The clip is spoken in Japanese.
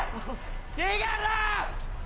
逃げろ！